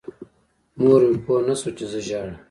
مور مې پوه نه شوه چې زه ژاړم.